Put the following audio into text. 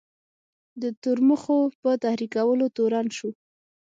د تورمخو په تحریکولو تورن شو.